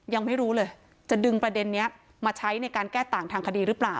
ยังไม่รู้เลยจะดึงประเด็นนี้มาใช้ในการแก้ต่างทางคดีหรือเปล่า